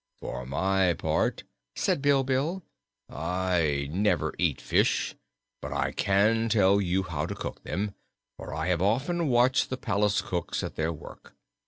"For my part," said Bilbil, "I never eat fish, but I can tell you how to cook them, for I have often watched the palace cooks at their work."